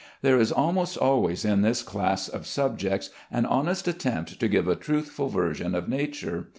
There is almost always in this class of subjects an honest attempt to give a truthful version of nature.